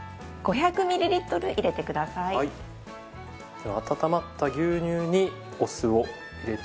じゃあ温まった牛乳にお酢を入れていきます。